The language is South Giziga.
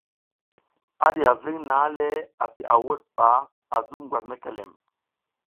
A diya ving nang le asi a wuɗ ɓa a zuɓ ngwas mekelem.